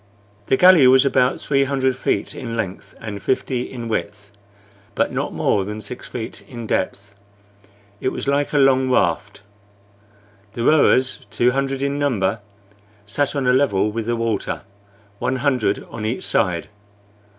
This galley was about three hundred feet in length and fifty in width, but not more than six feet in depth. It was like a long raft. The rowers, two hundred in number, sat on a level with the water, one hundred on each side.